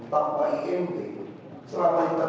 hanya setelah sayang bonne